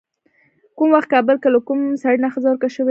کوم وخت کابل کې له کوم سړي نه ښځه ورکه شوې وه.